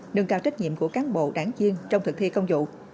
nâng cao trách nhiệm của cán bộ đảng viên trong thực thi công vụ